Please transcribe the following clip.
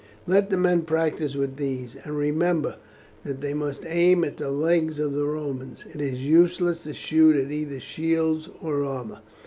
"Let the men practice with these, and remember that they must aim at the legs of the Romans. It is useless to shoot at either shields or armour.